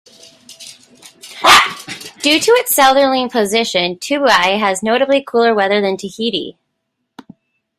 Due to its southerly position, Tubuai has notably cooler weather than Tahiti.